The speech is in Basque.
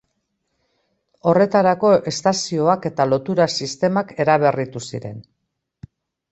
Horretarako estazioak eta lotura sistemak eraberritu ziren.